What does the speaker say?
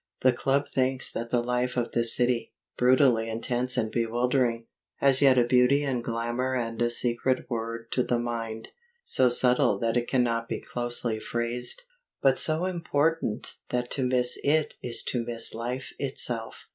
The Club thinks that the life of this city, brutally intense and bewildering, has yet a beauty and glamour and a secret word to the mind, so subtle that it cannot be closely phrased, but so important that to miss it is to miss life itself.